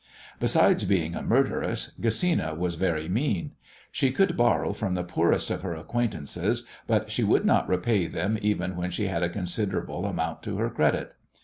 Besides being a murderess, Gesina was very mean. She could borrow from the poorest of her acquaintances, but she would not repay them even when she had a considerable amount to her credit.